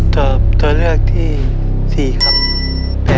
เจ้าเลือกที่๔ครับ